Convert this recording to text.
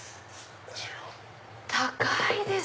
高いです！